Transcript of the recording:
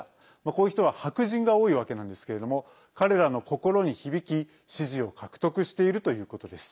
こういう人は白人が多いわけなんですけれども彼らの心に響き、支持を獲得しているということです。